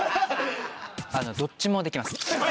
どっちもできます。